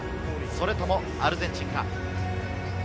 それともアルゼンチンか？